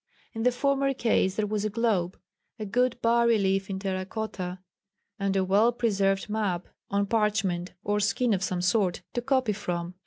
In the former case there was a globe, a good bas relief in terra cotta, and a well preserved map on parchment, or skin of some sort, to copy from.